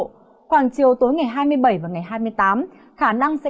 khoảng chiều tối ngày hai mươi bảy và ngày hai mươi tám khả năng sẽ